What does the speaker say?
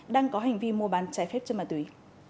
đang có hành vi mua bán trái phép chất ma túy